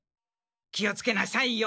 気をつけなさいよ。